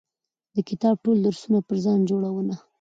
د کتاب ټول درسونه په ځان جوړونه